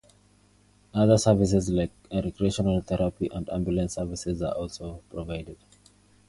Other services like recreational therapy and ambulance services are also provided.